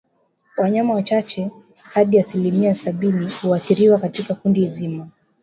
Wanyama wachache hadi asilimia sabini huathiriwa katika kundi zima